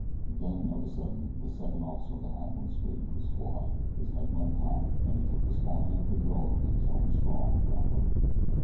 Then, of a sudden, the second officer of the Halfmoon straightened to his full height. His head went high, and he took the small hand of the girl in his own strong, brown one.